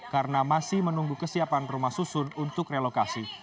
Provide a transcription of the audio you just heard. karena masih menunggu kesiapan rumah susun untuk relokasi